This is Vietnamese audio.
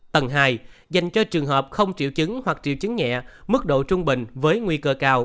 tầng hai dành cho trường hợp không triệu chứng hoặc triệu chứng nhẹ mức độ trung bình với nguy cơ cao